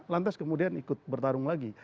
lantas kemudian ikut bertarung lagi